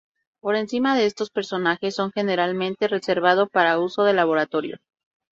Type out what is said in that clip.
Por encima de estos porcentajes son generalmente reservado para uso de laboratorio.